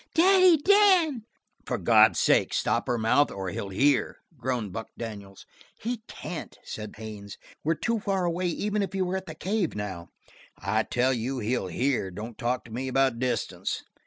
Daddy Dan!" "For God's sake, stop her mouth or he'll hear!" groaned Buck Daniels. "He can't!" said Haines. "We're too far away even if he were at the cave now." "I tell you he'll hear! Don't talk to me about distance."